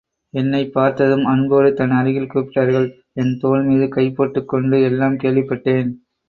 என்னைப் பார்த்ததும் அன்போடு தன் அருகில் கூப்பிட்டார்கள், என் தோள்மீது கை போட்டுக் கொண்டு எல்லாம் கேள்விப் பட்டேன்.